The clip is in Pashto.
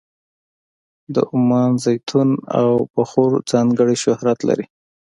د عمان زیتون او بخور ځانګړی شهرت لري.